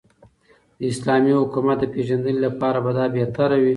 داسلامې حكومت دپيژندني لپاره به دابهتره وي